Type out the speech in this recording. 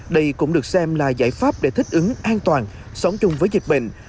đây cũng được xem là giải pháp để thích ứng an toàn sống chung với dịch bệnh